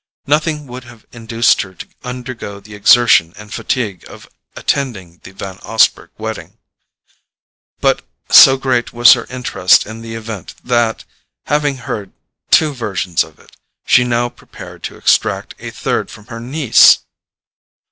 Nothing would have induced her to undergo the exertion and fatigue of attending the Van Osburgh wedding, but so great was her interest in the event that, having heard two versions of it, she now prepared to extract a third from her niece.